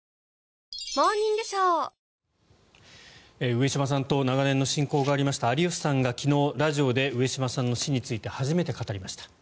上島さんと長年の親交がありました有吉さんが昨日、ラジオで上島さんの死について初めて語りました。